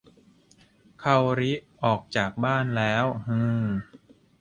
คาโอริออกจากบ้านแล้วฮือ